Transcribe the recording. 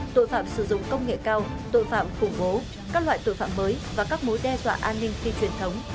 tội phạm sử dụng công nghệ cao tội phạm khủng bố các loại tội phạm mới và các mối đe dọa an ninh phi truyền thống